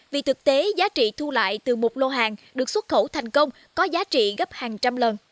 vì thực tế giá trị thu lại từ một lô hàng được xuất khẩu thành công có giá trị gấp hàng trăm lần